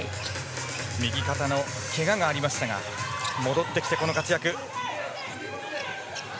右肩のけががありましたが戻ってきて、この活躍。